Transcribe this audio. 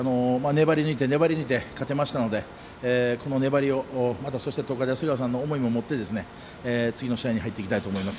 粘り抜いて勝てましたので、この粘りをまた、そして東海大菅生の思いも持って次の試合に入っていきたいと思います。